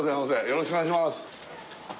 よろしくお願いします